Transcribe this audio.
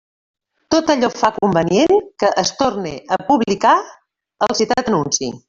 Tot allò fa convenient que es torne a publicar el citat anunci.